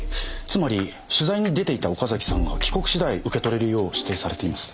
つまり取材に出ていた岡崎さんが帰国次第受け取れるよう指定されています。